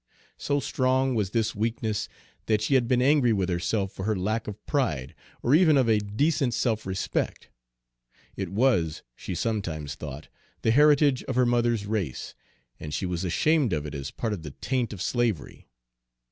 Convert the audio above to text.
So strong was this weakness that she had been angry with herself for her lack of pride, or even of a decent self respect. It was, she sometimes thought, the heritage of her mother's race, and she was ashamed of it as part of the taint of slavery.